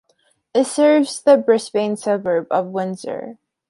It serves the Brisbane suburb of Windsor.